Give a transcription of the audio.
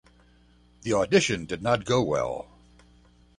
The audition did not go well.